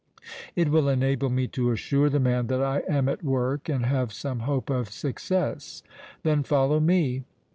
"It will enable me to assure the man that I am at work and have some hope of success." "Then follow me."